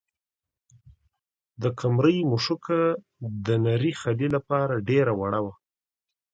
د قمرۍ مښوکه د نري خلي لپاره ډېره وړه وه.